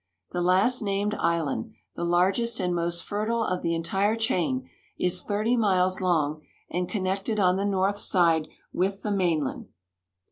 The last named island, the largest and most fertile of the entire chain, is 30 miles long, and connected on the north side with the mainland.